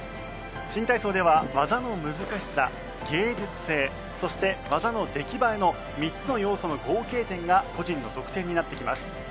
新体操では技の難しさ芸術性そして技の出来栄えの３つの要素の合計点が個人の得点になってきます。